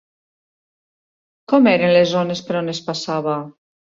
Com eren les zones per on es passava?